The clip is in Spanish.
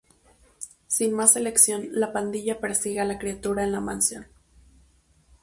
Sin más elección la pandilla persigue a la criatura en la mansión.